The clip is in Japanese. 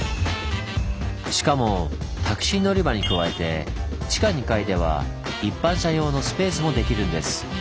しかもタクシー乗り場に加えて地下２階では一般車用のスペースもできるんです。